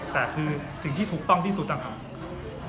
แต่คือสิ่งที่ถูกต้องที่สุดนะครับ